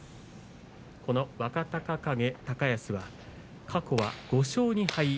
若隆景、高安は過去は５勝２敗